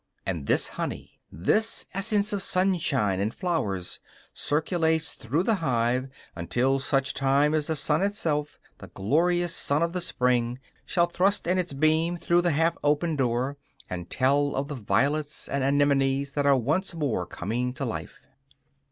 And this honey, this essence of sunshine and flowers, circulates through the hive until such time as the sun itself, the glorious sun of the spring, shall thrust in its beam through the half open door, and tell of the violets and anemones that are once more coming to life.